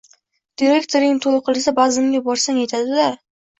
Direktoring toʻy qilsa bazmga borsang yetadi-da